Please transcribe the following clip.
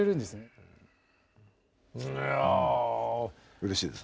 うれしいです。